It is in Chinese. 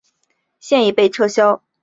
现已被撤销。